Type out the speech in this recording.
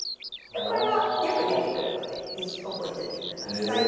これはよく出てくるので是非覚えといてください。